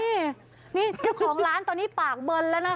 นี่ของร้านตอนนี้ปากเบินแล้วนะคะ